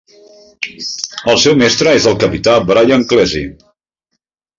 El seu mestre és el capità Brian Clesi.